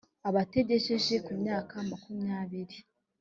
abatagejeje ku myaka makumyabiri